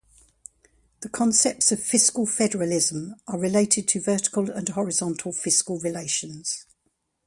The concepts of fiscal federalism are related to vertical and horizontal fiscal relations.